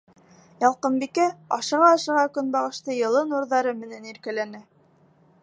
Ялҡынбикә, ашыға-ашыға көнбағышты йылы нурҙары менән иркәләне.